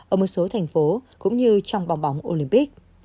ở một số thành phố cũng như trong bong bóng olympic